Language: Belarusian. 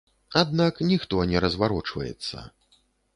Аднак ніхто не разварочваецца.